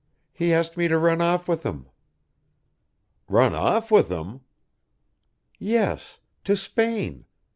He asked me to run off with him." "Run off with him?" "Yes to Spain.